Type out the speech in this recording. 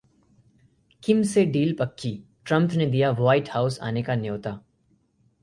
किम से डील पक्की, ट्रंप ने दिया व्हाइट हाउस आने का न्योता